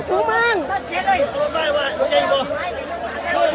สวัสดีครับทุกคน